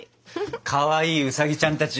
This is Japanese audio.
かわいいウサギちゃんたち